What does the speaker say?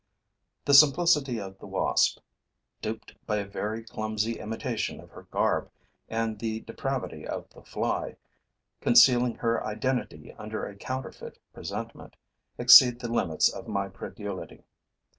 The simplicity of the wasp, duped by a very clumsy imitation of her garb, and the depravity of the fly, concealing her identity under a counterfeit presentment, exceed the limits of my credulity.